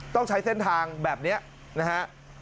ต้องใช้เส้นทางแบบนี้นะฮะ